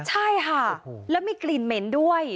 ใช่ค่ะแล้วมีกลิ่นเหม็นด้วย